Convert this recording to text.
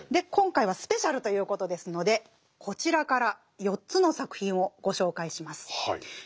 今回スペシャルということですのでこちらから４つの作品をご紹介します。